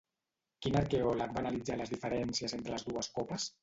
Quin arqueòleg va analitzar les diferències entre les dues copes?